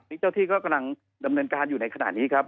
เจ้าที่ก็กำลังดำเนินการอยู่ในขณะนี้ครับ